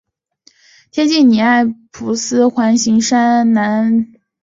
贴近尼埃普斯环形山西南边缘有一座可能形成于一次斜向撞击的泪滴状陨坑。